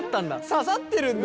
刺さってるんだ。